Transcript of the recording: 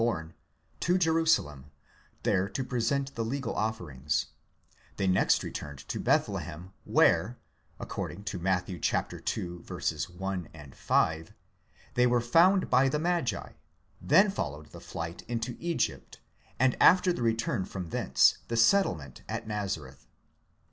born, to Jerusalem, there to present the legal offerings; they next returned to Bethlehem, where (according to Matt. ii. 1 and 5) they were found by the magi; then followed the flight into Egypt, and after the return from thence, the settlement at Nazareth.